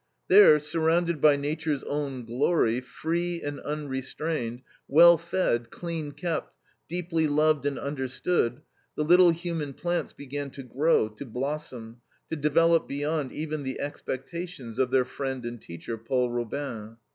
There, surrounded by nature's own glory, free and unrestrained, well fed, clean kept, deeply loved and understood, the little human plants began to grow, to blossom, to develop beyond even the expectations of their friend and teacher, Paul Robin.